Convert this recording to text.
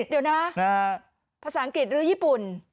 เดี๋ยวนะภาษาอังกฤษหรือญี่ปุ่น